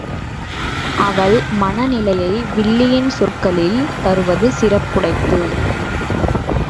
அவள் மனநிலையை வில்லியின் சொற்களில் தருவது சிறப்புடைத்து.